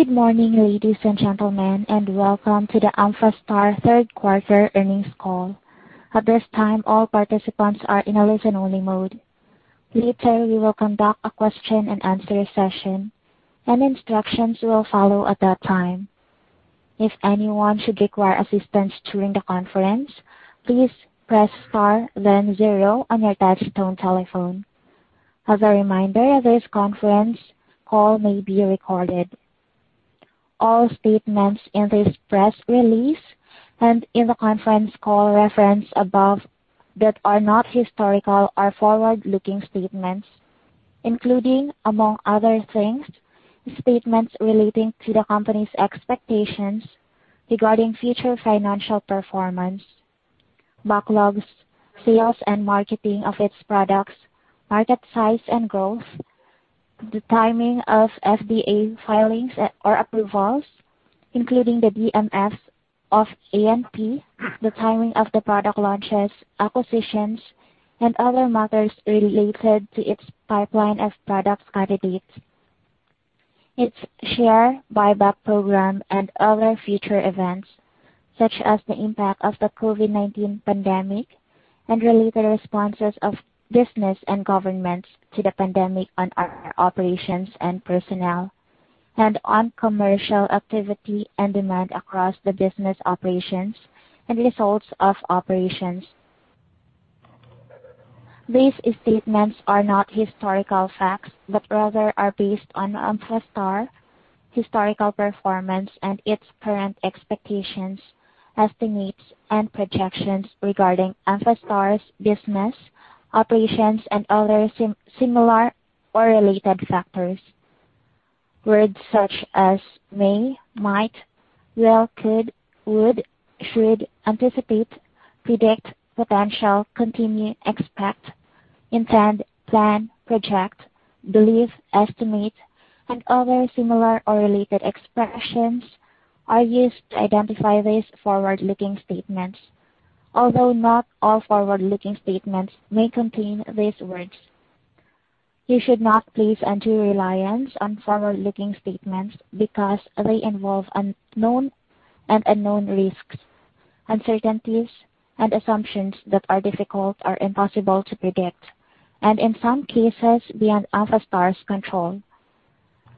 Good morning, ladies and gentlemen, and welcome to the Amphastar Third Quarter Earnings Call. At this time, all participants are in a listen-only mode. Later, we will conduct a question-and-answer session, and instructions will follow at that time. If anyone should require assistance during the conference, please press star, then zero on your touch-tone telephone. As a reminder, this conference call may be recorded. All statements in this press release and in the conference call referenced above that are not historical or forward-looking statements, including, among other things, statements relating to the company's expectations regarding future financial performance, backlogs, sales and marketing of its products, market size and growth, the timing of FDA filings or approvals, including the DMF of AMP, the timing of the product launches, acquisitions, and other matters related to its pipeline of product candidates, its share buyback program, and other future events such as the impact of the COVID-19 pandemic and related responses of business and governments to the pandemic on operations and personnel, and on commercial activity and demand across the business operations and results of operations. These statements are not historical facts but rather are based on Amphastar's historical performance and its current expectations, estimates, and projections regarding Amphastar's business, operations, and other similar or related factors. Words such as may, might, will, could, would, should, anticipate, predict, potential, continue, expect, intend, plan, project, believe, estimate, and other similar or related expressions are used to identify these forward-looking statements, although not all forward-looking statements may contain these words. You should not place undue reliance on forward-looking statements because they involve unknown risks, uncertainties, and assumptions that are difficult or impossible to predict, and in some cases beyond Amphastar's control.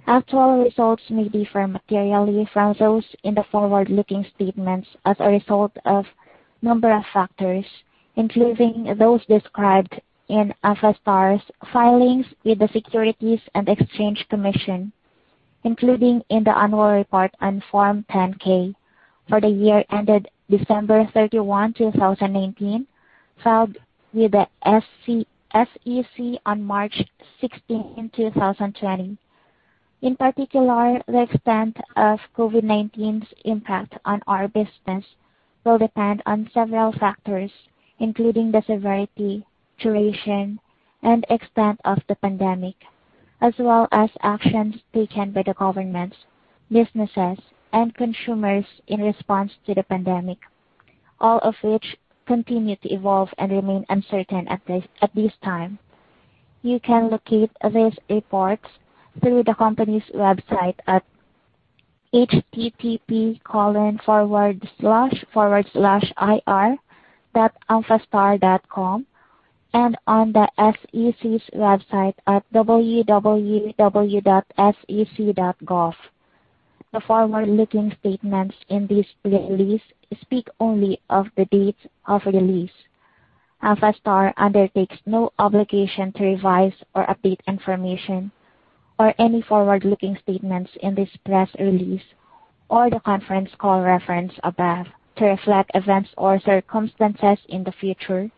Actual results may differ materially from those in the forward-looking statements as a result of a number of factors, including those described in Amphastar's filings with the Securities and Exchange Commission, including in the annual report on Form 10-K for the year ended December 31, 2019, filed with the SEC on March 16, 2020. In particular, the extent of COVID-19's impact on our business will depend on several factors, including the severity, duration, and extent of the pandemic, as well as actions taken by the governments, businesses, and consumers in response to the pandemic, all of which continue to evolve and remain uncertain at this time. You can locate these reports through the company's website at https://ir.amphastar.com and on the SEC's website at www.sec.gov. The forward-looking statements in this release speak only of the dates of release. Amphastar undertakes no obligation to revise or update information or any forward-looking statements in this press release or the conference call referenced above to reflect events or circumstances in the future,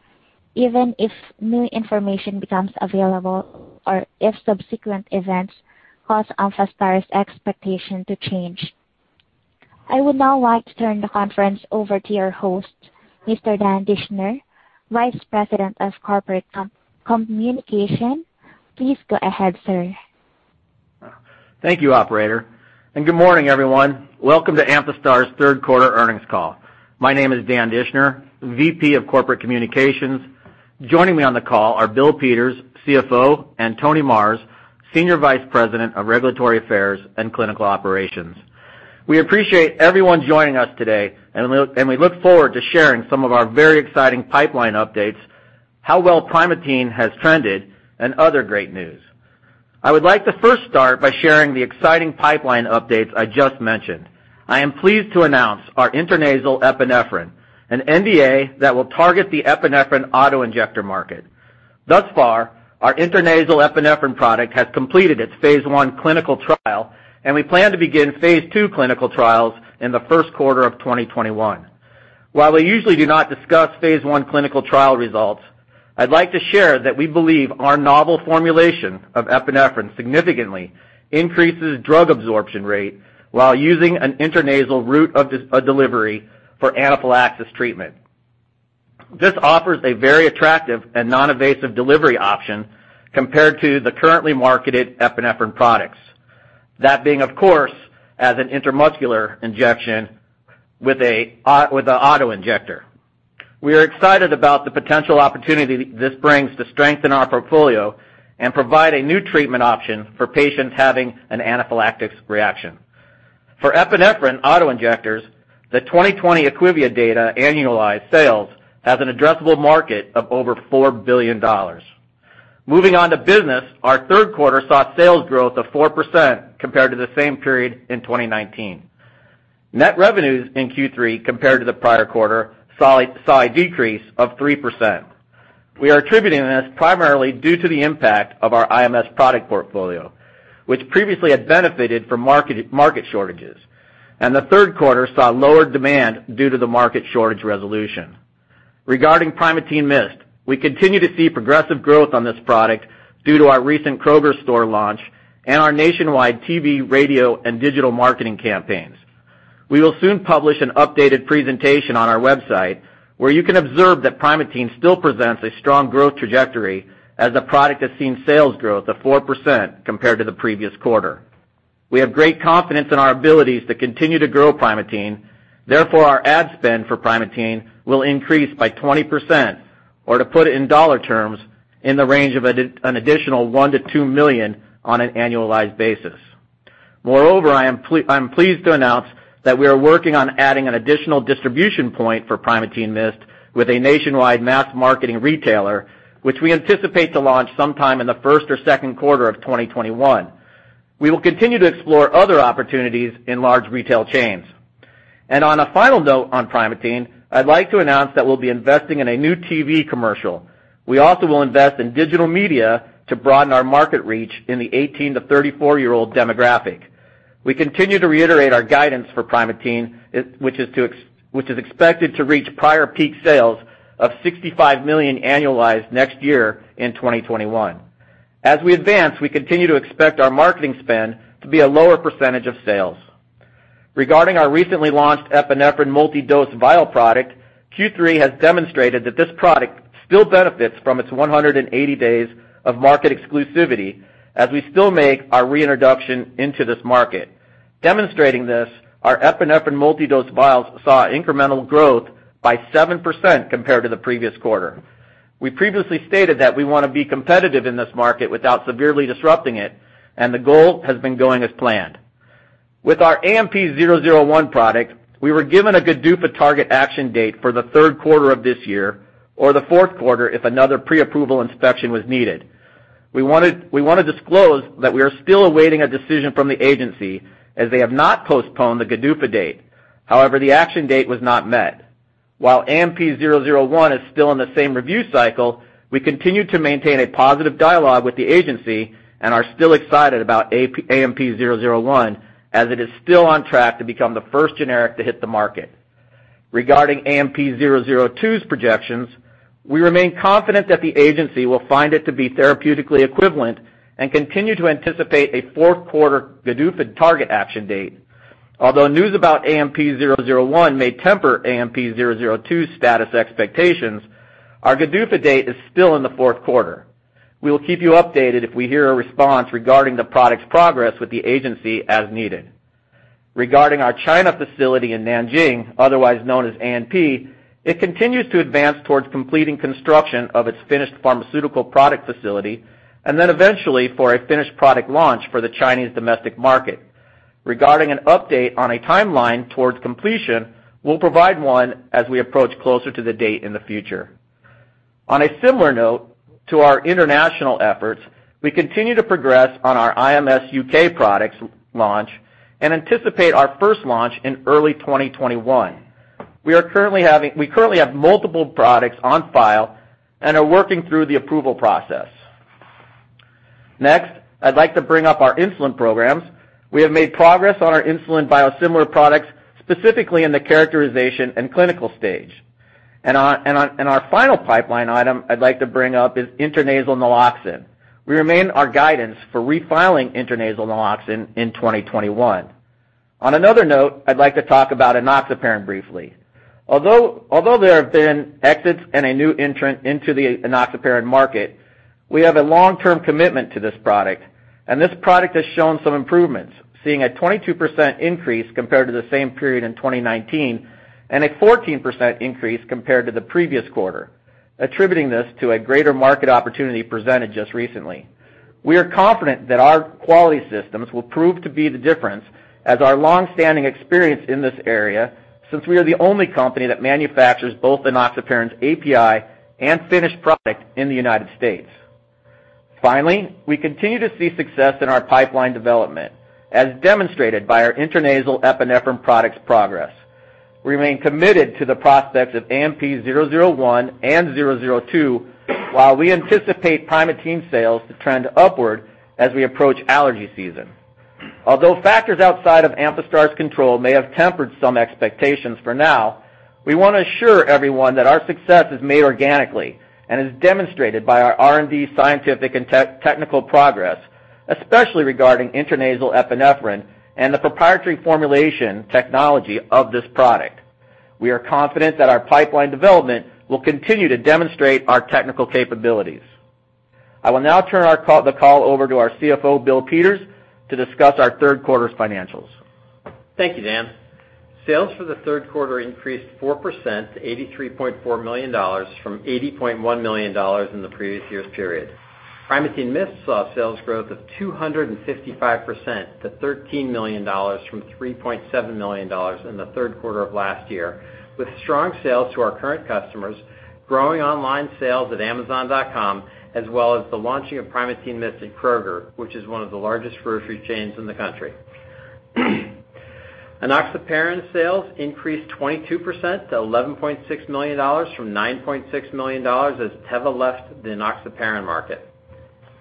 even if new information becomes available or if subsequent events cause Amphastar's expectations to change. I would now like to turn the conference over to your host, Mr. Dan Dischner, Vice President of Corporate Communications. Please go ahead, sir. Thank you, Operator. And good morning, everyone. Welcome to Amphastar's Third Quarter Earnings Call. My name is Dan Dischner, VP of Corporate Communications. Joining me on the call are Bill Peters, CFO, and Tony Marrs, Senior Vice President of Regulatory Affairs and Clinical Operations. We appreciate everyone joining us today, and we look forward to sharing some of our very exciting pipeline updates, how well Primatene has trended, and other great news. I would like to first start by sharing the exciting pipeline updates I just mentioned. I am pleased to announce our intranasal epinephrine, an NDA that will target the epinephrine autoinjector market. Thus far, our intranasal epinephrine product has completed its phase I clinical trial, and we plan to begin phase II clinical trials in the first quarter of 2021. While we usually do not discuss phase I clinical trial results, I'd like to share that we believe our novel formulation of epinephrine significantly increases drug absorption rate while using an intranasal route of delivery for anaphylaxis treatment. This offers a very attractive and non-invasive delivery option compared to the currently marketed epinephrine products, that being, of course, as an intramuscular injection with an autoinjector. We are excited about the potential opportunity this brings to strengthen our portfolio and provide a new treatment option for patients having an anaphylactic reaction. For epinephrine autoinjectors, the 2020 IQVIA data annualized sales has an addressable market of over $4 billion. Moving on to business, our third quarter saw sales growth of 4% compared to the same period in 2019. Net revenues in Q3 compared to the prior quarter saw a decrease of 3%. We are attributing this primarily due to the impact of our IMS product portfolio, which previously had benefited from market shortages, and the third quarter saw lower demand due to the market shortage resolution. Regarding Primatene MIST, we continue to see progressive growth on this product due to our recent Kroger store launch and our nationwide TV, radio, and digital marketing campaigns. We will soon publish an updated presentation on our website where you can observe that Primatene still presents a strong growth trajectory as the product has seen sales growth of 4% compared to the previous quarter. We have great confidence in our abilities to continue to grow Primatene. Therefore, our ad spend for Primatene will increase by 20%, or to put it in dollar terms, in the range of an additional $1 million to $2 million on an annualized basis. Moreover, I am pleased to announce that we are working on adding an additional distribution point for Primatene MIST with a nationwide mass marketing retailer, which we anticipate to launch sometime in the first or second quarter of 2021. We will continue to explore other opportunities in large retail chains, and on a final note on Primatene, I'd like to announce that we'll be investing in a new TV commercial. We also will invest in digital media to broaden our market reach in the 18 to 34-year-old demographic. We continue to reiterate our guidance for Primatene, which is expected to reach prior peak sales of $65 million annualized next year in 2021. As we advance, we continue to expect our marketing spend to be a lower percentage of sales. Regarding our recently launched epinephrine multi-dose vial product, Q3 has demonstrated that this product still benefits from its 180 days of market exclusivity as we still make our reintroduction into this market. Demonstrating this, our epinephrine multi-dose vials saw incremental growth by 7% compared to the previous quarter. We previously stated that we want to be competitive in this market without severely disrupting it, and the goal has been going as planned. With our AMP-001 product, we were given a GDUFA target action date for the third quarter of this year or the fourth quarter if another pre-approval inspection was needed. We want to disclose that we are still awaiting a decision from the agency as they have not postponed the GDUFA date. However, the action date was not met. While AMP-001 is still in the same review cycle, we continue to maintain a positive dialogue with the agency and are still excited about AMP-001 as it is still on track to become the first generic to hit the market. Regarding AMP-002's projections, we remain confident that the agency will find it to be therapeutically equivalent and continue to anticipate a fourth quarter GDUFA target action date. Although news about AMP-001 may temper AMP-002's status expectations, our GDUFA date is still in the fourth quarter. We will keep you updated if we hear a response regarding the product's progress with the agency as needed. Regarding our China facility in Nanjing, otherwise known as AMP, it continues to advance towards completing construction of its finished pharmaceutical product facility and then eventually for a finished product launch for the Chinese domestic market. Regarding an update on a timeline towards completion, we'll provide one as we approach closer to the date in the future. On a similar note to our international efforts, we continue to progress on our IMS UK product launch and anticipate our first launch in early 2021. We currently have multiple products on file and are working through the approval process. Next, I'd like to bring up our insulin programs. We have made progress on our insulin biosimilar products, specifically in the characterization and clinical stage. Our final pipeline item I'd like to bring up is intranasal naloxone. We remain on guidance for refiling intranasal naloxone in 2021. On another note, I'd like to talk about enoxaparin briefly. Although there have been exits and a new entrant into the enoxaparin market, we have a long-term commitment to this product, and this product has shown some improvements, seeing a 22% increase compared to the same period in 2019 and a 14% increase compared to the previous quarter, attributing this to a greater market opportunity presented just recently. We are confident that our quality systems will prove to be the difference, as our long-standing experience in this area since we are the only company that manufactures both enoxaparin's API and finished product in the United States. Finally, we continue to see success in our pipeline development as demonstrated by our intranasal epinephrine product's progress. We remain committed to the prospects of AMP-001 and 002 while we anticipate Primatene sales to trend upward as we approach allergy season. Although factors outside of Amphastar's control may have tempered some expectations for now, we want to assure everyone that our success is made organically and is demonstrated by our R&D, scientific, and technical progress, especially regarding intranasal epinephrine and the proprietary formulation technology of this product. We are confident that our pipeline development will continue to demonstrate our technical capabilities. I will now turn the call over to our CFO, Bill Peters, to discuss our third quarter's financials. Thank you, Dan. Sales for the third quarter increased 4% to $83.4 million from $80.1 million in the previous year's period. Primatene MIST saw sales growth of 255% to $13 million from $3.7 million in the third quarter of last year, with strong sales to our current customers, growing online sales at Amazon.com, as well as the launching of Primatene MIST at Kroger, which is one of the largest grocery chains in the country. Enoxaparin sales increased 22% to $11.6 million from $9.6 million as Teva left the enoxaparin market.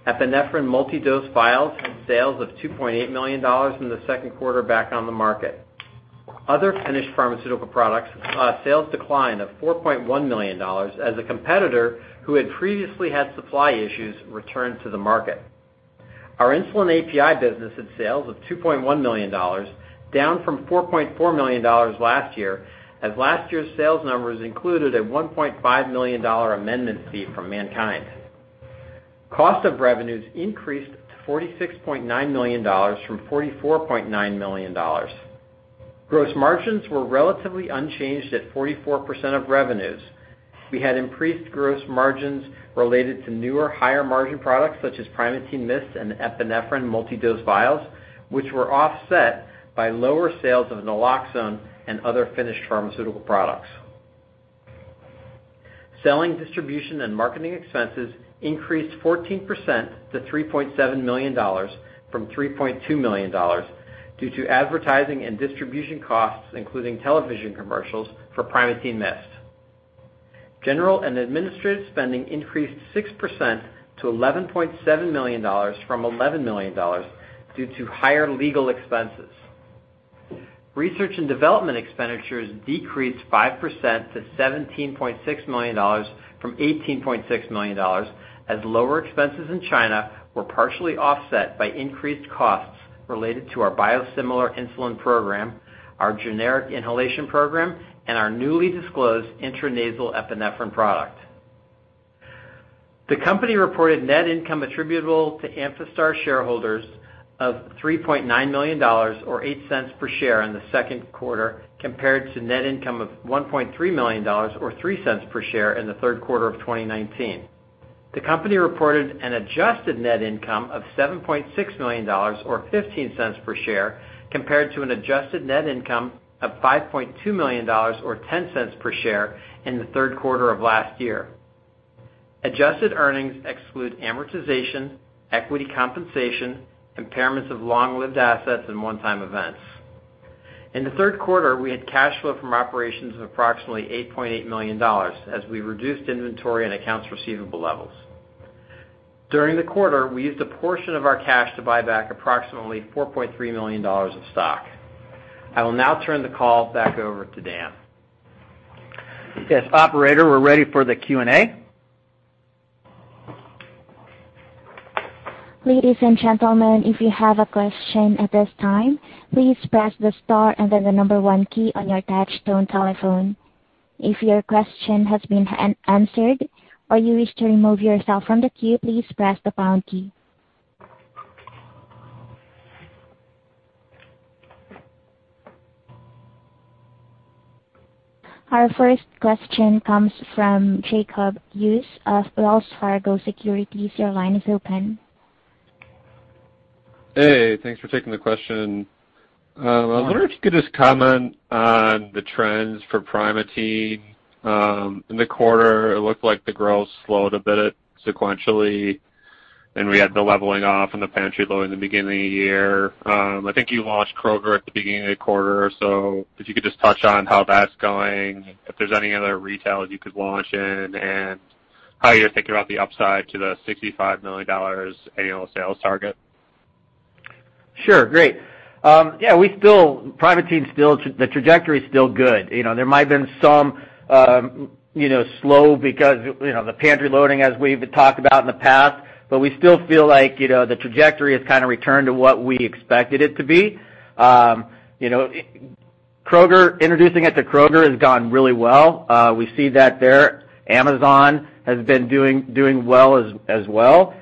Epinephrine multi-dose vials had sales of $2.8 million in the second quarter back on the market. Other finished pharmaceutical products saw sales decline of $4.1 million as a competitor who had previously had supply issues returned to the market. Our insulin API business had sales of $2.1 million, down from $4.4 million last year, as last year's sales numbers included a $1.5 million amendment fee from MannKind. Cost of revenues increased to $46.9 million from $44.9 million. Gross margins were relatively unchanged at 44% of revenues. We had increased gross margins related to newer, higher-margin products such as Primatene MIST and epinephrine multi-dose vials, which were offset by lower sales of naloxone and other finished pharmaceutical products. Selling, distribution, and marketing expenses increased 14% to $3.7 million from $3.2 million due to advertising and distribution costs, including television commercials for Primatene MIST. General and administrative spending increased 6% to $11.7 million from $11 million due to higher legal expenses. Research and development expenditures decreased 5% to $17.6 million from $18.6 million as lower expenses in China were partially offset by increased costs related to our biosimilar insulin program, our generic inhalation program, and our newly disclosed intranasal epinephrine product. The company reported net income attributable to Amphastar shareholders of $3.9 million, or $0.08 per share in the second quarter, compared to net income of $1.3 million, or $0.03 per share in the third quarter of 2019. The company reported an adjusted net income of $7.6 million, or $0.15 per share, compared to an adjusted net income of $5.2 million, or $0.10 per share in the third quarter of last year. Adjusted earnings exclude amortization, equity compensation, impairments of long-lived assets, and one-time events. In the third quarter, we had cash flow from operations of approximately $8.8 million as we reduced inventory and accounts receivable levels. During the quarter, we used a portion of our cash to buy back approximately $4.3 million of stock. I will now turn the call back over to Dan. Yes, operator, we're ready for the Q&A. Ladies and gentlemen, if you have a question at this time, please press the star and then the number one key on your touch-tone telephone. If your question has been answered or you wish to remove yourself from the queue, please press the pound key. Our first question comes from Jacob Hughes of Wells Fargo Securities. Your line is open. Hey, thanks for taking the question. I was wondering if you could just comment on the trends for Primatene. In the quarter, it looked like the growth slowed a bit sequentially, and we had the leveling off and the pantry load in the beginning of the year. I think you launched Kroger at the beginning of the quarter, so if you could just touch on how that's going, if there's any other retailers you could launch in, and how you're thinking about the upside to the $65 million annual sales target. Sure, great. Yeah, Primatene's trajectory is still good. There might have been some slowdown because of the pantry loading as we've talked about in the past, but we still feel like the trajectory has kind of returned to what we expected it to be. Kroger, introducing it to Kroger, has gone really well. We see that there. Amazon has been doing well as well,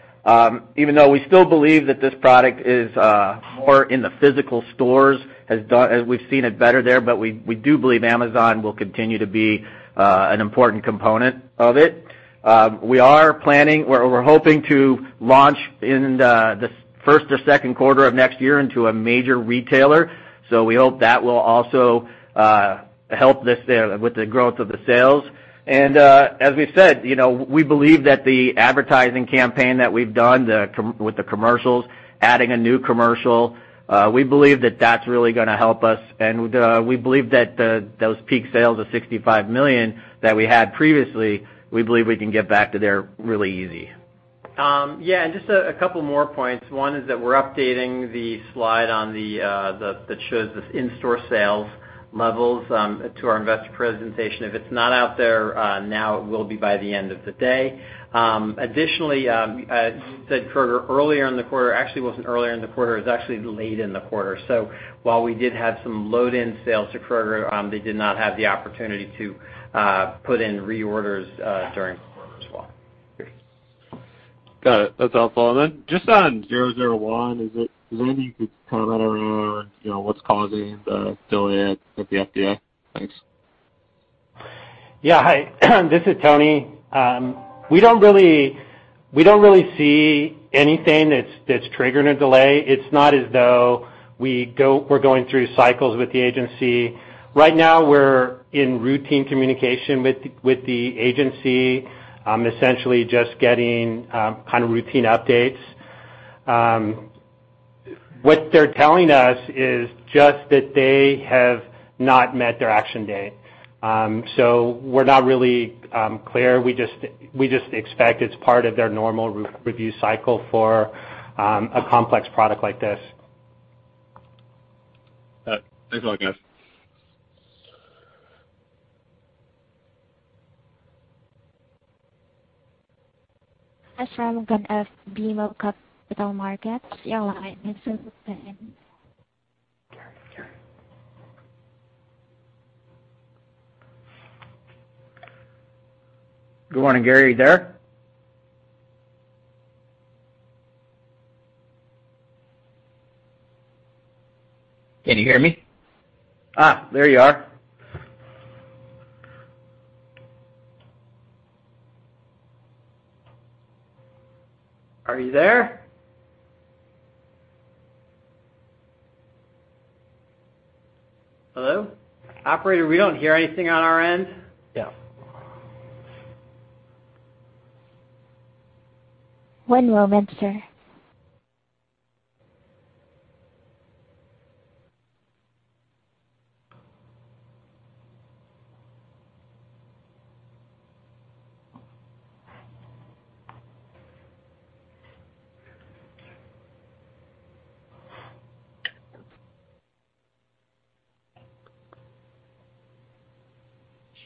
even though we still believe that this product is more in the physical stores as we've seen it better there, but we do believe Amazon will continue to be an important component of it. We are planning or we're hoping to launch in the first or second quarter of next year into a major retailer, so we hope that will also help with the growth of the sales. As we've said, we believe that the advertising campaign that we've done with the commercials, adding a new commercial, we believe that that's really going to help us, and we believe that those peak sales of $65 million that we had previously, we believe we can get back to there really easy. Yeah, and just a couple more points. One is that we're updating the slide that shows the in-store sales levels to our investor presentation. If it's not out there now, it will be by the end of the day. Additionally, you said Kroger earlier in the quarter, actually, it wasn't earlier in the quarter, it was actually late in the quarter. So while we did have some load-in sales to Kroger, they did not have the opportunity to put in reorders during the quarter as well. Got it. That's helpful. And then just on 001, is there anything you could comment around what's causing the delay at the FDA? Thanks. Yeah, hi. This is Tony. We don't really see anything that's triggering a delay. It's not as though we're going through cycles with the agency. Right now, we're in routine communication with the agency, essentially just getting kind of routine updates. What they're telling us is just that they have not met their action date, so we're not really clear. We just expect it's part of their normal review cycle for a complex product like this. Thanks a lot, guys. As far as we're going to BMO Capital Markets, your line is open. Good morning, Gary. Are you there? Can you hear me? There you are. Are you there? Hello? Operator, we don't hear anything on our end. Yeah. One moment, sir.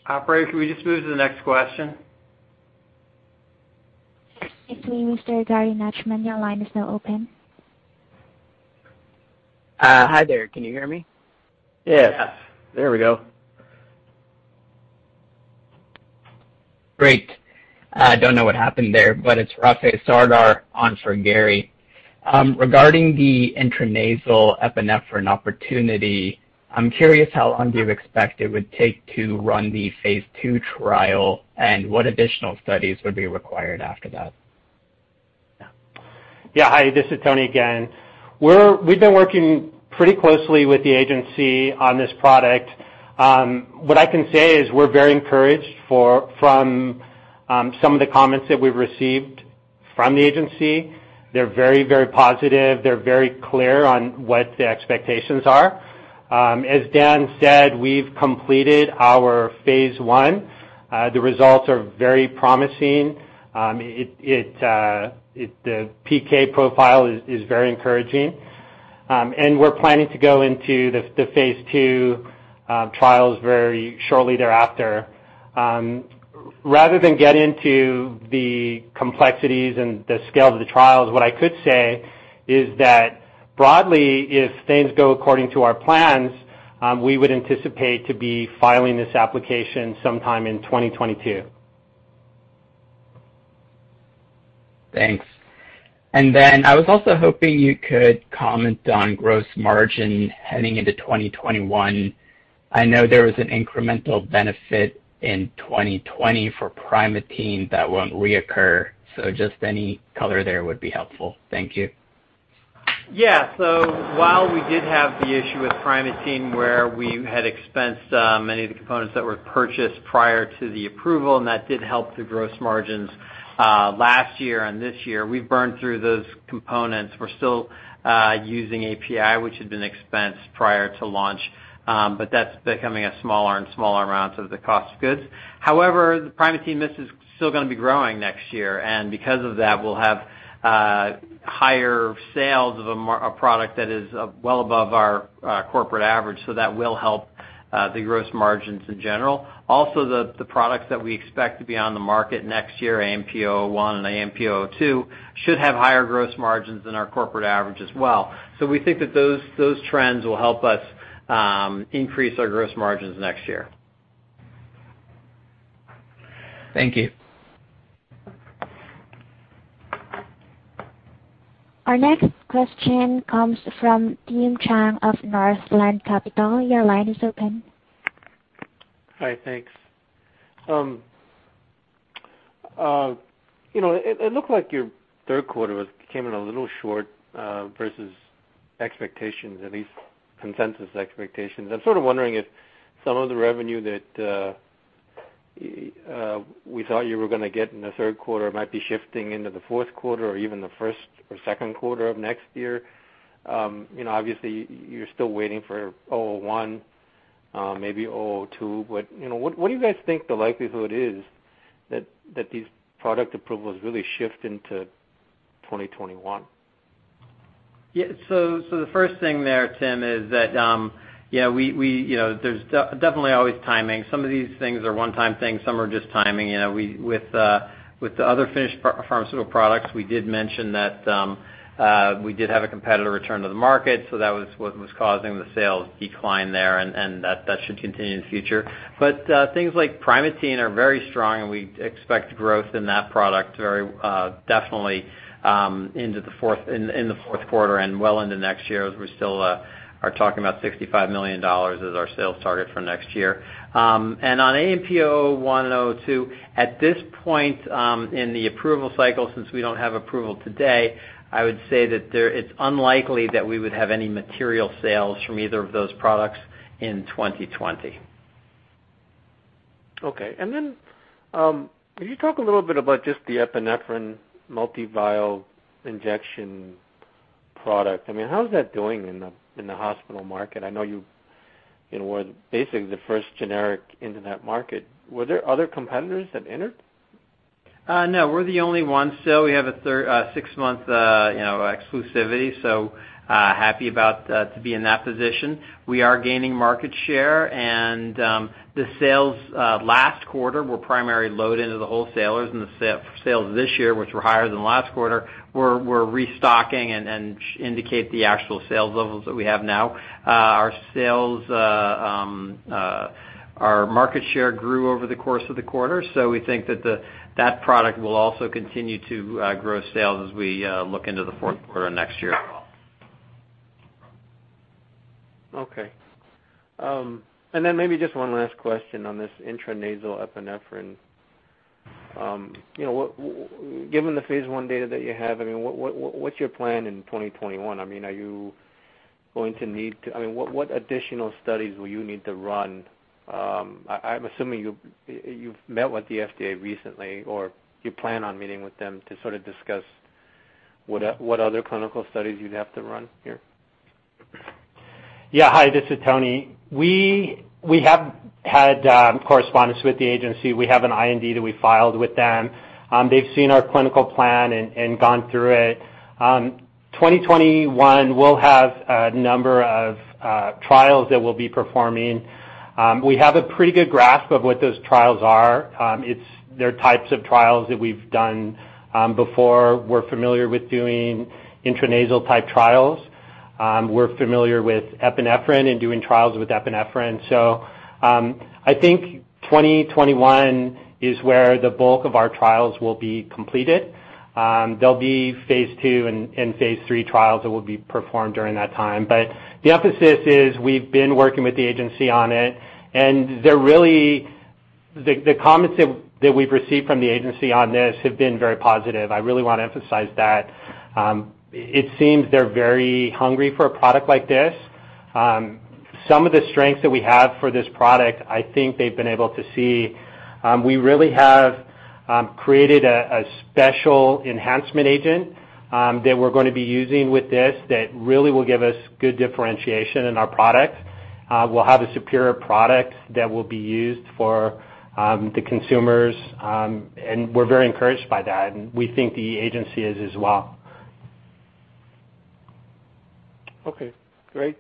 Operator, can we just move to the next question? Excuse me, Mr. Gary Nachman. Your line is still open. Hi there. Can you hear me? Yes. Yes. There we go. Great. I don't know what happened there, but it's Rafe Sardar on for Gary. Regarding the intranasal epinephrine opportunity, I'm curious how long do you expect it would take to run the phase two trial and what additional studies would be required after that? Yeah, hi. This is Tony again. We've been working pretty closely with the agency on this product. What I can say is we're very encouraged from some of the comments that we've received from the agency. They're very, very positive. They're very clear on what the expectations are. As Dan said, we've completed our phase one. The results are very promising. The PK profile is very encouraging, and we're planning to go into the phase two trials very shortly thereafter. Rather than get into the complexities and the scale of the trials, what I could say is that broadly, if things go according to our plans, we would anticipate to be filing this application sometime in 2022. Thanks, and then I was also hoping you could comment on gross margin heading into 2021. I know there was an incremental benefit in 2020 for Primatene that won't reoccur, so just any color there would be helpful. Thank you. Yeah, so while we did have the issue with Primatene where we had expensed many of the components that were purchased prior to the approval, and that did help the gross margins last year and this year, we've burned through those components. We're still using API, which had been expensed prior to launch, but that's becoming a smaller and smaller amount of the cost of goods. However, the Primatene MIST is still going to be growing next year, and because of that, we'll have higher sales of a product that is well above our corporate average, so that will help the gross margins in general. Also, the products that we expect to be on the market next year, AMP-001 and AMP-002, should have higher gross margins than our corporate average as well. So we think that those trends will help us increase our gross margins next year. Thank you. Our next question comes from Tim Chiang of Northland Capital Markets. Your line is open. Hi, thanks. It looked like your third quarter came in a little short versus expectations, at least consensus expectations. I'm sort of wondering if some of the revenue that we thought you were going to get in the third quarter might be shifting into the fourth quarter or even the first or second quarter of next year. Obviously, you're still waiting for 001, maybe 002, but what do you guys think the likelihood is that these product approvals really shift into 2021? Yeah, so the first thing there, Tim, is that there's definitely always timing. Some of these things are one-time things. Some are just timing. With the other finished pharmaceutical products, we did mention that we did have a competitor return to the market, so that was what was causing the sales decline there, and that should continue in the future. But things like Primatene are very strong, and we expect growth in that product very definitely into the fourth quarter and well into next year as we still are talking about $65 million as our sales target for next year. On AMP-001 and AMP-002, at this point in the approval cycle, since we don't have approval today, I would say that it's unlikely that we would have any material sales from either of those products in 2020. Okay. And then could you talk a little bit about just the epinephrine multi-vial injection product? I mean, how's that doing in the hospital market? I know you were basically the first generic into that market. Were there other competitors that entered? No, we're the only one. So we have a six-month exclusivity, so happy to be in that position. We are gaining market share, and the sales last quarter were primarily loaded into the wholesalers, and the sales this year, which were higher than last quarter, were restocking and indicate the actual sales levels that we have now. Our market share grew over the course of the quarter, so we think that that product will also continue to grow sales as we look into the fourth quarter of next year as well. Okay. And then maybe just one last question on this intranasal epinephrine. Given the phase one data that you have, I mean, what's your plan in 2021? I mean, are you going to need to? I mean, what additional studies will you need to run? I'm assuming you've met with the FDA recently or you plan on meeting with them to sort of discuss what other clinical studies you'd have to run here? Yeah, hi. This is Tony. We have had correspondence with the agency. We have an IND that we filed with them. They've seen our clinical plan and gone through it. 2021, we'll have a number of trials that we'll be performing. We have a pretty good grasp of what those trials are. There are types of trials that we've done before. We're familiar with doing intranasal-type trials. We're familiar with epinephrine and doing trials with epinephrine. So I think 2021 is where the bulk of our trials will be completed. There'll be phase two and phase three trials that will be performed during that time. But the emphasis is we've been working with the agency on it, and the comments that we've received from the agency on this have been very positive. I really want to emphasize that. It seems they're very hungry for a product like this. Some of the strengths that we have for this product, I think they've been able to see. We really have created a special enhancement agent that we're going to be using with this that really will give us good differentiation in our product. We'll have a superior product that will be used for the consumers, and we're very encouraged by that, and we think the agency is as well. Okay. Great.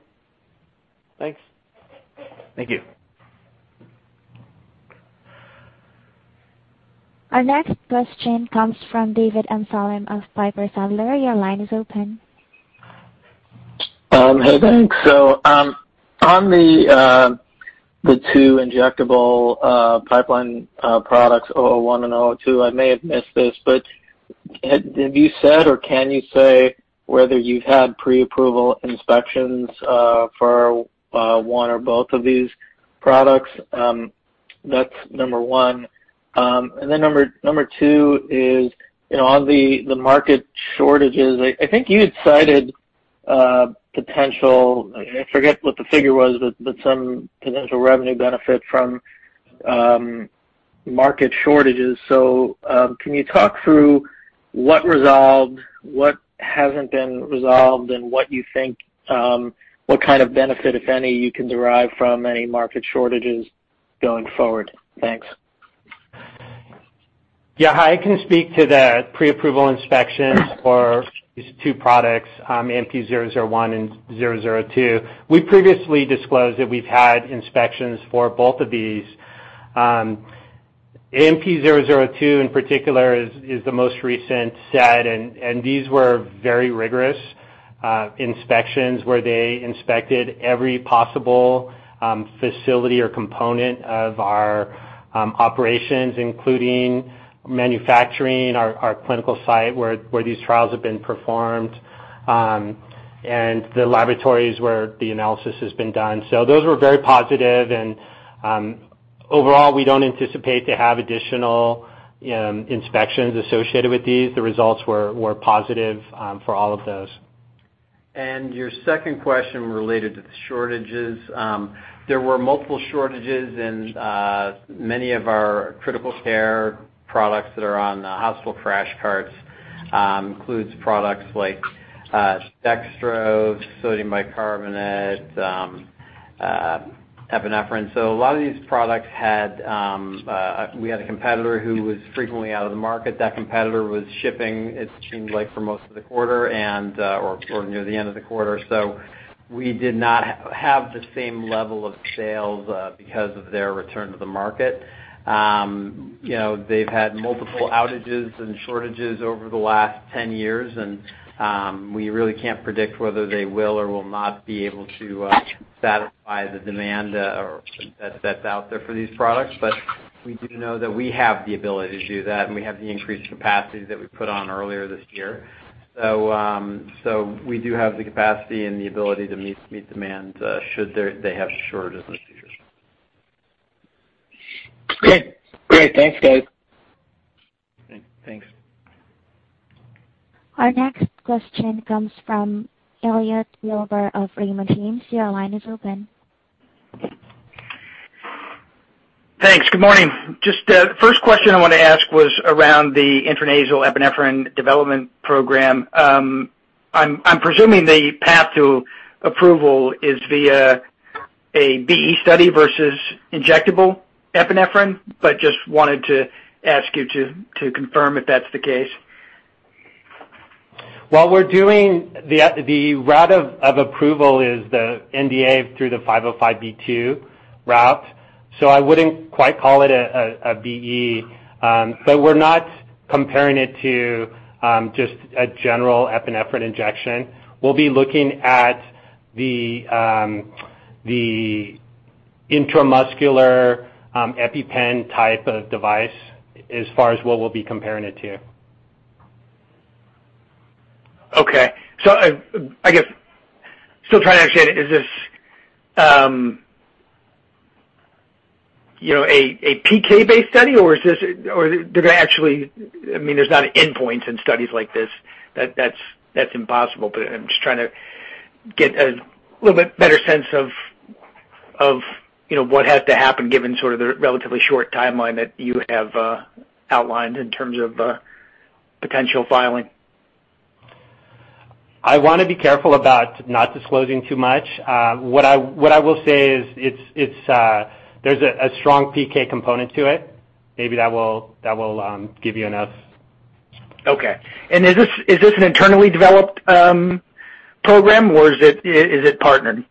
Thanks. Thank you. Our next question comes from David Amsellem of Piper Sandler. Your line is open. Hey, thanks. So on the two injectable pipeline products, 001 and 002, I may have missed this, but have you said or can you say whether you've had pre-approval inspections for one or both of these products? That's number one. And then number two is on the market shortages, I think you had cited potential—I forget what the figure was, but some potential revenue benefit from market shortages. So can you talk through what resolved, what hasn't been resolved, and what you think—what kind of benefit, if any, you can derive from any market shortages going forward? Thanks. Yeah, hi. I can speak to the pre-approval inspections for these two products, AMP-001 and AMP-002. We previously disclosed that we've had inspections for both of these. AMP-002, in particular, is the most recent set, and these were very rigorous inspections where they inspected every possible facility or component of our operations, including manufacturing, our clinical site where these trials have been performed, and the laboratories where the analysis has been done. So those were very positive, and overall, we don't anticipate to have additional inspections associated with these. The results were positive for all of those. Your second question related to the shortages. There were multiple shortages in many of our critical care products that are on the hospital crash carts. This includes products like dextrose, sodium bicarbonate, epinephrine. So a lot of these products had. We had a competitor who was frequently out of the market. That competitor was shipping, it seemed like, for most of the quarter or near the end of the quarter. So we did not have the same level of sales because of their return to the market. They've had multiple outages and shortages over the last 10 years, and we really can't predict whether they will or will not be able to satisfy the demand that's out there for these products. But we do know that we have the ability to do that, and we have the increased capacity that we put on earlier this year. We do have the capacity and the ability to meet demand should they have shortages in the future. Okay. Great. Thanks, guys. Thanks. Our next question comes from Elliot Wilber of Raymond James. Your line is open. Thanks. Good morning. Just the first question I wanted to ask was around the intranasal epinephrine development program. I'm presuming the path to approval is via a BE study versus injectable epinephrine, but just wanted to ask you to confirm if that's the case. While we're doing the route of approval is the NDA through the 505(b)(2) route, so I wouldn't quite call it a BE, but we're not comparing it to just a general epinephrine injection. We'll be looking at the intramuscular EpiPen type of device as far as what we'll be comparing it to. Okay. So I guess, still trying to understand, is this a PK-based study, or is this - or they're going to actually - I mean, there's not endpoints in studies like this. That's impossible, but I'm just trying to get a little bit better sense of what has to happen given sort of the relatively short timeline that you have outlined in terms of potential filing. I want to be careful about not disclosing too much. What I will say is there's a strong PK component to it. Maybe that will give you enough. Okay. And is this an internally developed program, or is it partnered?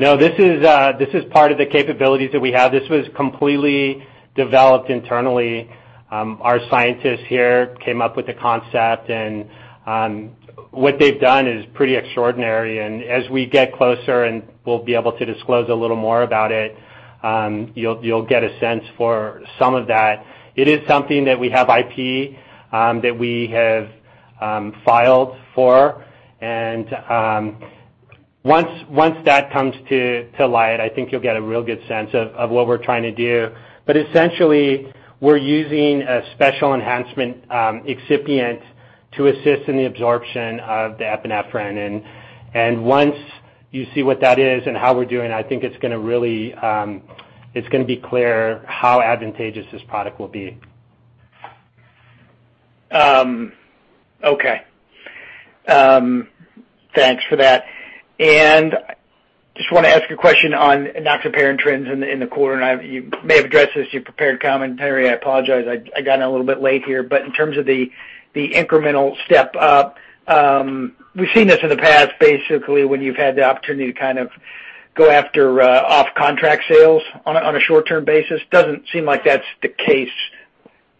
No, this is part of the capabilities that we have. This was completely developed internally. Our scientists here came up with the concept, and what they've done is pretty extraordinary. And as we get closer and we'll be able to disclose a little more about it, you'll get a sense for some of that. It is something that we have IP that we have filed for. And once that comes to light, I think you'll get a real good sense of what we're trying to do. But essentially, we're using a special enhancement excipient to assist in the absorption of the epinephrine. And once you see what that is and how we're doing, I think it's going to really. It's going to be clear how advantageous this product will be. Okay. Thanks for that. And I just want to ask a question on enoxaparin trends in the quarter. And you may have addressed this in your prepared commentary. I apologize. I got in a little bit late here. But in terms of the incremental step, we've seen this in the past, basically, when you've had the opportunity to kind of go after off-contract sales on a short-term basis. Doesn't seem like that's the case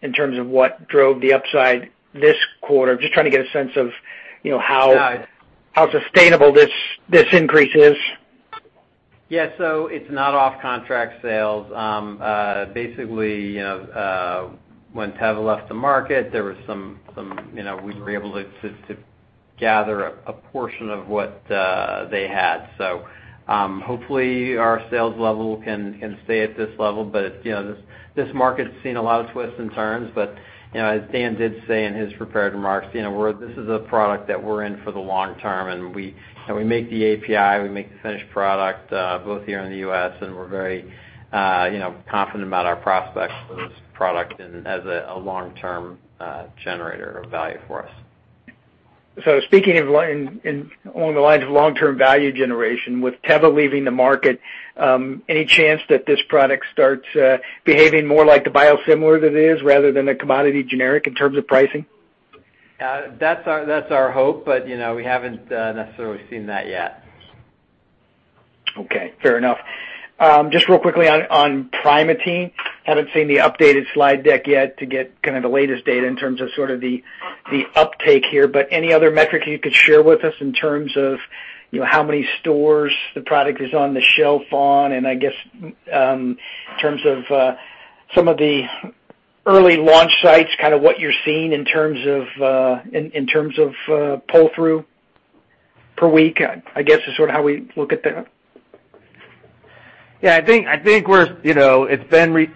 in terms of what drove the upside this quarter. Just trying to get a sense of how sustainable this increase is. Yeah. So it's not off-contract sales. Basically, when Teva left the market, there was some, we were able to gather a portion of what they had. So hopefully, our sales level can stay at this level. But this market's seen a lot of twists and turns. But as Dan did say in his prepared remarks, this is a product that we're in for the long term, and we make the API. We make the finished product both here in the U.S., and we're very confident about our prospects for this product and as a long-term generator of value for us. Speaking along the lines of long-term value generation, with Teva leaving the market, any chance that this product starts behaving more like the biosimilar that it is rather than a commodity generic in terms of pricing? That's our hope, but we haven't necessarily seen that yet. Okay. Fair enough. Just real quickly on Primatene, haven't seen the updated slide deck yet to get kind of the latest data in terms of sort of the uptake here. But any other metrics you could share with us in terms of how many stores the product is on the shelf on? And I guess in terms of some of the early launch sites, kind of what you're seeing in terms of pull-through per week, I guess, is sort of how we look at that. Yeah. I think it's been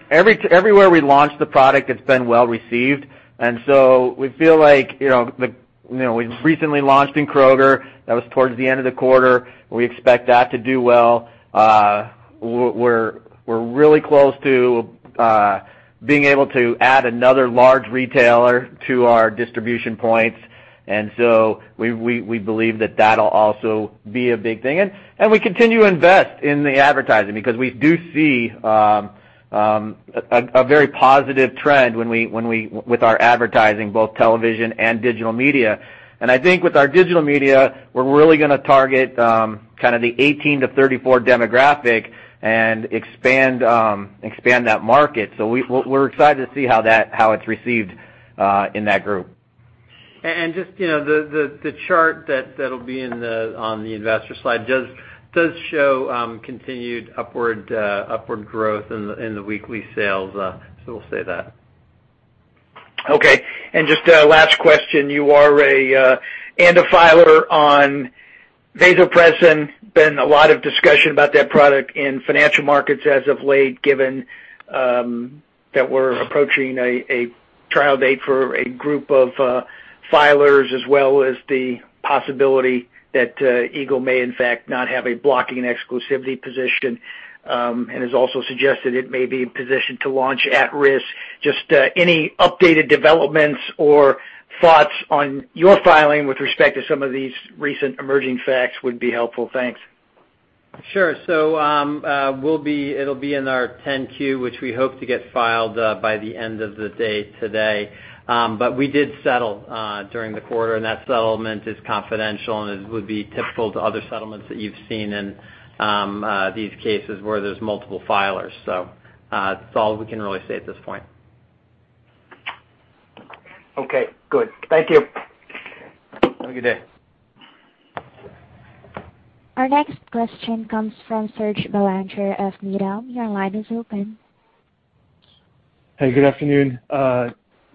everywhere we launched the product; it's been well received, and so we feel like we recently launched in Kroger. That was towards the end of the quarter. We expect that to do well. We're really close to being able to add another large retailer to our distribution points, and so we believe that that'll also be a big thing, and we continue to invest in the advertising because we do see a very positive trend with our advertising, both television and digital media, and I think with our digital media, we're really going to target kind of the 18-34 demographic and expand that market, so we're excited to see how it's received in that group. And just the chart that'll be on the investor slide does show continued upward growth in the weekly sales. So we'll say that. Okay. And just last question. You are an ANDA filer on vasopressin. Been a lot of discussion about that product in financial markets as of late, given that we're approaching a trial date for a group of filers as well as the possibility that Eagle may, in fact, not have a blocking exclusivity position and has also suggested it may be positioned to launch at risk. Just any updated developments or thoughts on your filing with respect to some of these recent emerging facts would be helpful. Thanks. Sure. So it'll be in our 10-Q, which we hope to get filed by the end of the day today. But we did settle during the quarter, and that settlement is confidential and would be typical to other settlements that you've seen in these cases where there's multiple filers. So that's all we can really say at this point. Okay. Good. Thank you. Have a good day. Our next question comes from Serge Belanger of Needham. Your line is open. Hey, good afternoon.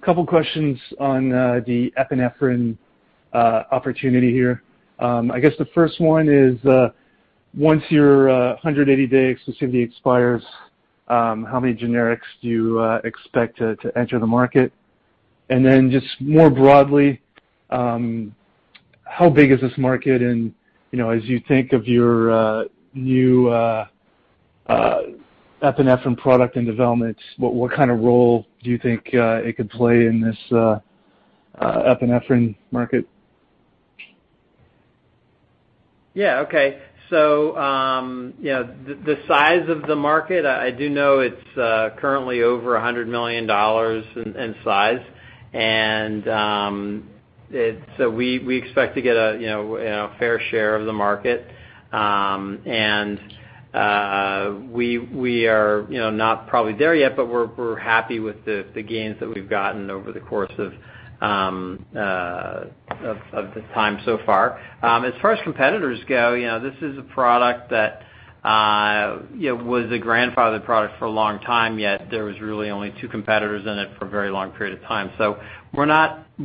A couple of questions on the epinephrine opportunity here. I guess the first one is, once your 180-day exclusivity expires, how many generics do you expect to enter the market? And then just more broadly, how big is this market? And as you think of your new epinephrine product and development, what kind of role do you think it could play in this epinephrine market? Yeah. Okay. So the size of the market, I do know it's currently over $100 million in size. And so we expect to get a fair share of the market. And we are not probably there yet, but we're happy with the gains that we've gotten over the course of the time so far. As far as competitors go, this is a product that was a grandfather product for a long time, yet there was really only two competitors in it for a very long period of time. So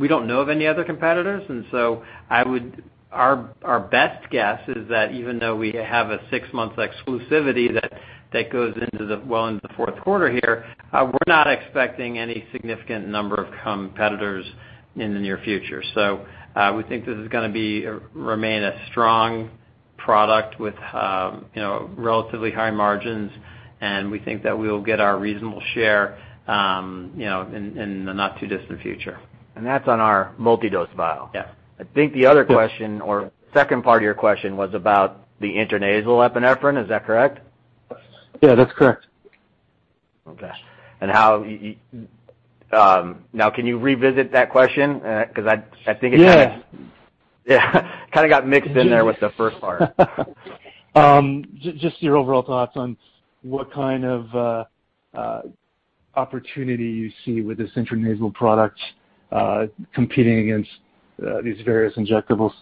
we don't know of any other competitors. And so our best guess is that even though we have a six-month exclusivity that goes well into the fourth quarter here, we're not expecting any significant number of competitors in the near future. So we think this is going to remain a strong product with relatively high margins, and we think that we'll get our reasonable share in the not-too-distant future. That's on our multidose vial. Yeah. I think the other question or second part of your question was about the intranasal epinephrine. Is that correct? Yeah. That's correct. Okay. Now, can you revisit that question? Because I think it kind of got mixed in there with the first part. Just your overall thoughts on what kind of opportunity you see with this intranasal product competing against these various injectables?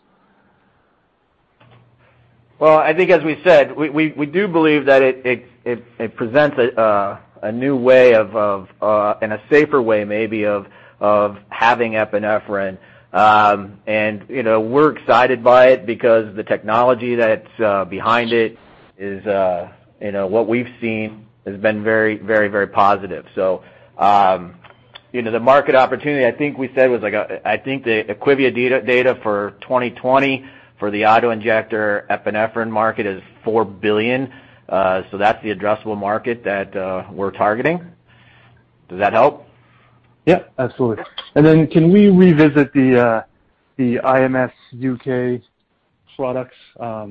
I think, as we said, we do believe that it presents a new way of, and a safer way maybe, of having epinephrine. And we're excited by it because the technology that's behind it is what we've seen has been very, very, very positive. So the market opportunity, I think we said was I think the IQVIA data for 2020 for the auto injector epinephrine market is $4 billion. So that's the addressable market that we're targeting. Does that help? Yeah. Absolutely. And then can we revisit the IMS UK products? I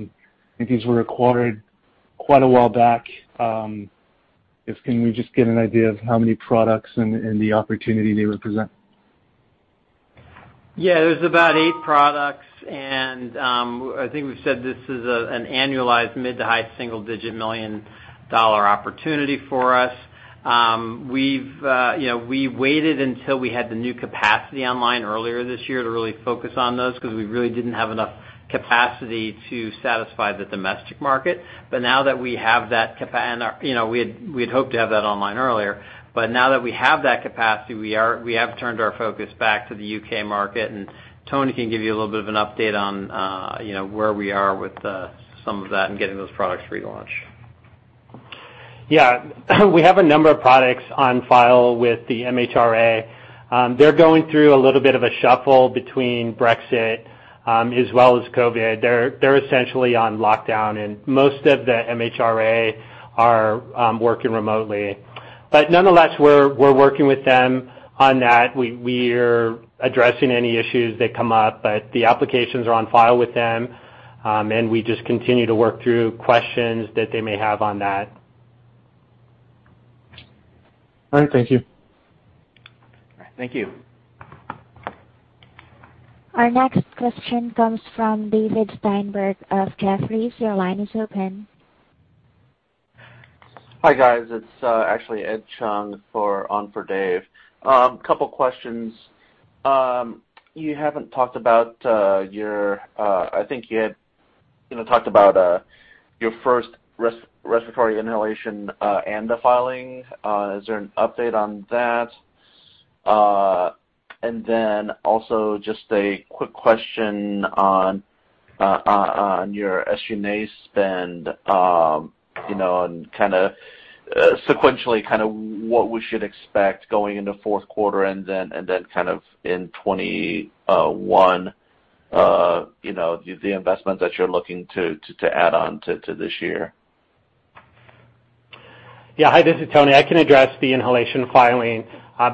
think these were acquired quite a while back. Can we just get an idea of how many products and the opportunity they represent? Yeah. There's about eight products. And I think we've said this is an annualized mid- to high single-digit $ million opportunity for us. We waited until we had the new capacity online earlier this year to really focus on those because we really didn't have enough capacity to satisfy the domestic market. But now that we have that, and we had hoped to have that online earlier, but now that we have that capacity, we have turned our focus back to the U.K. market. And Tony can give you a little bit of an update on where we are with some of that and getting those products relaunched. Yeah. We have a number of products on file with the MHRA. They're going through a little bit of a shuffle between Brexit as well as COVID. They're essentially on lockdown, and most of the MHRA are working remotely. But nonetheless, we're working with them on that. We're addressing any issues that come up, but the applications are on file with them, and we just continue to work through questions that they may have on that. All right. Thank you. Thank you. Our next question comes from David Steinberg of Jefferies. Your line is open. Hi guys. It's actually Ed Chung filling in for Dave. A couple of questions. You haven't talked about your—I think you had talked about your first respiratory inhalation and the filing. Is there an update on that? And then also just a quick question on your SG&A spend and kind of sequentially kind of what we should expect going into fourth quarter and then kind of in 2021, the investments that you're looking to add on to this year. Yeah. Hi, this is Tony. I can address the inhalation filing.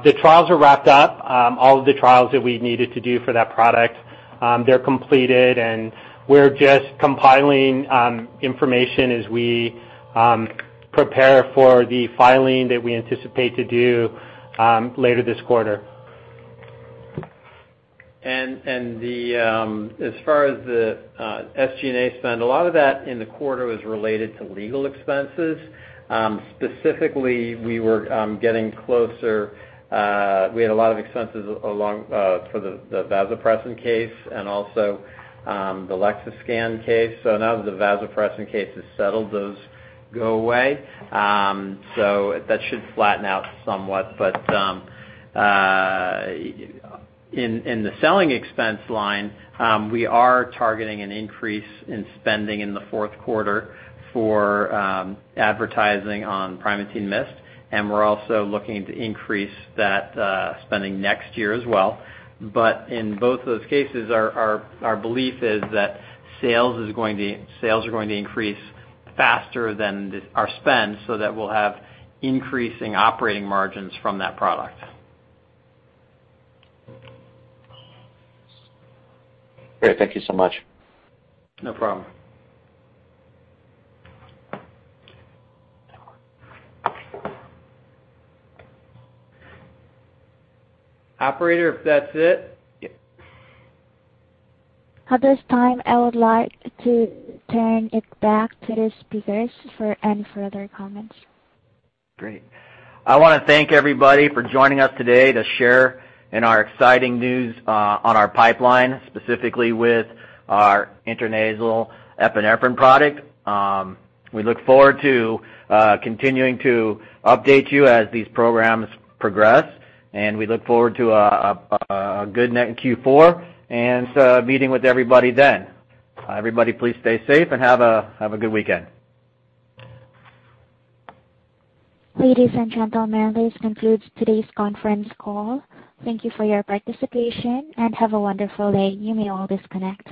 The trials are wrapped up. All of the trials that we needed to do for that product, they're completed, and we're just compiling information as we prepare for the filing that we anticipate to do later this quarter. As far as the SG&A spend, a lot of that in the quarter was related to legal expenses. Specifically, we were getting closer. We had a lot of expenses along for the vasopressin case and also the Lexiscan case. Now that the vasopressin case is settled, those go away. That should flatten out somewhat. In the selling expense line, we are targeting an increase in spending in the fourth quarter for advertising on Primatene MIST. We're also looking to increase that spending next year as well. In both those cases, our belief is that sales are going to increase faster than our spend so that we'll have increasing operating margins from that product. Great. Thank you so much. No problem. Operator, if that's it. At this time, I would like to turn it back to the speakers for any further comments. Great. I want to thank everybody for joining us today to share in our exciting news on our pipeline, specifically with our intranasal epinephrine product. We look forward to continuing to update you as these programs progress. And we look forward to a good Q4 and meeting with everybody then. Everybody, please stay safe and have a good weekend. Ladies and gentlemen, this concludes today's conference call. Thank you for your participation and have a wonderful day. You may all disconnect.